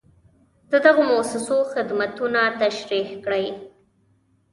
د دغو مؤسسو خدمتونه تشریح کړئ.